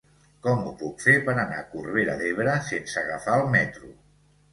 Com ho puc fer per anar a Corbera d'Ebre sense agafar el metro?